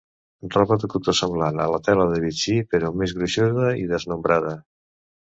Roba de cotó semblant a la tela de Vichy, però més gruixuda i desnombrada.